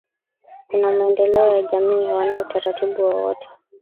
kuna maendeleo ya jamii hawana utaratibu wowote